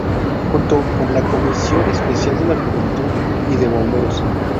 Junto con la Comisión Especial de la Juventud; y de Bomberos.